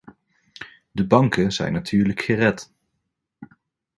De banken zijn natuurlijk gered.